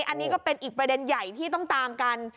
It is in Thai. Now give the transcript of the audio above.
อันนี้ก็เป็นอีกประเด็นใหญ่ที่ต้องตามกัน